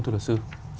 thưa luật sư